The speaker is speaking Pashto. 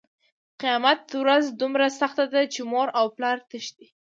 قیامت ورځ دومره سخته ده چې مور له اولاده تښتي.